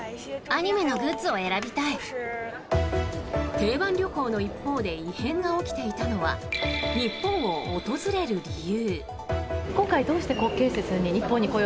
定番旅行の一方で異変が起きていたのは日本を訪れる理由。